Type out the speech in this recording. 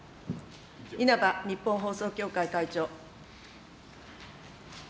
稲葉日本放送協会会長。